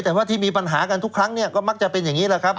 แต่ว่าที่มีปัญหากันทุกครั้งเนี่ยก็มักจะเป็นอย่างนี้แหละครับ